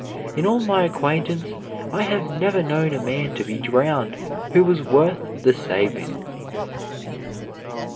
In all my acquaintance I have never known a man to be drowned who was worth the saving."